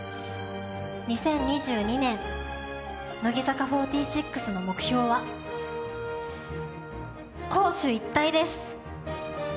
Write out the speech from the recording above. ２０２２年、乃木坂４６の目標は攻守一体です。